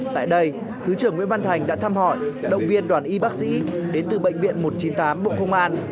tại đây thứ trưởng nguyễn văn thành đã thăm hỏi động viên đoàn y bác sĩ đến từ bệnh viện một trăm chín mươi tám bộ công an